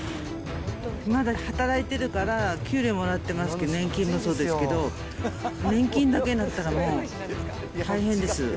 まだ働いてるから、給料もらってますけど、年金もそうですけど、年金だけになったら、もう大変です。